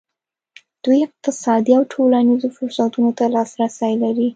دوی اقتصادي او ټولنیزو فرصتونو ته لاسرسی لري.